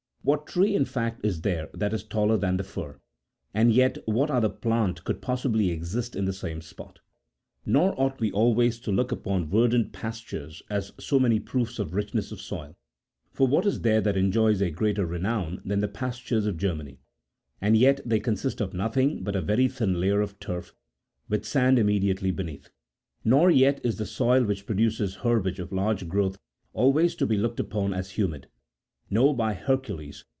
What tree, in fact, is there that is taller than the fir ? and yet what other plant could possibly exist in the same spot ? Nor ought we always to look upon verdant pas tures as so many proofs of richness of soil ; for what is there that enjoys a greater renown than the pastures of Germany ? and yet they consist of nothing but a very thin layer of turf, with sand immediately beneath. Nor yet is the soil which produces herbage 32 of large growth always to be looked upon as humid ; no, by Hercules